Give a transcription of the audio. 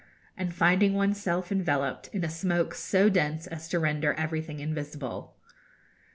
and finding oneself enveloped in a smoke so dense as to render everything invisible.